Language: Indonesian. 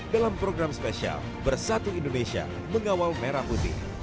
dalam program spesial bersatu indonesia mengawal merah putih